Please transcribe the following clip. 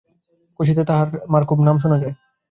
কাশীতে তাঁহার আর তাঁর মার তো খুব নাম শোনা যায়।